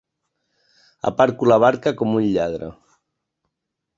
Aparco la barca com un lladre.